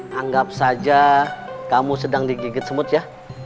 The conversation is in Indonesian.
hai anggap saja kamu sedang digigit semut ya